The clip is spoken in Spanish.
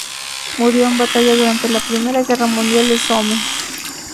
Murió en batalla durante la Primera Guerra Mundial en Somme.